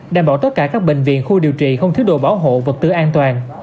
đảm bảo tất cả các bệnh viện khu điều trị không thiếu đồ bảo hộ vật tư an toàn